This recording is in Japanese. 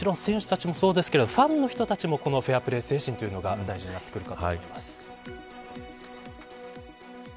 選手たちもそうですけどファンの人たちもフェアプレー精神が大事になってきます。